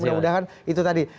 mudah mudahan itu tadi